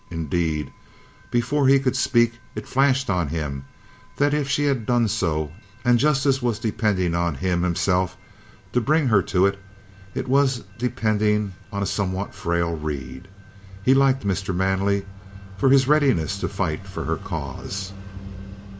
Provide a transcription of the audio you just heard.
Indeed, before he could speak, it flashed on him that if she had done so, and Justice was depending on him himself to bring her to it, it was depending on a somewhat frail reed. He liked Mr. Manley for his readiness to fight for her cause.